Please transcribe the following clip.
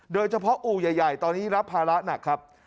โดยเฉพาะอูห์ใหญ่ตอนนี้รับภาระหนักครับ